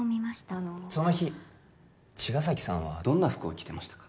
あのその日茅ヶ崎さんはどんな服を着てましたか？